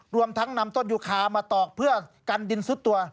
รวมทั้งนำต้นยูคามาตอกเพื่อกันดินซุดตัว